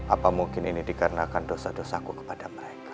apa mungkin ini dikarenakan dosa dosaku kepada mereka